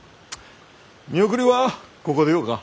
見送りはここでよか。